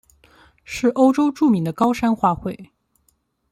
是欧洲著名的高山花卉。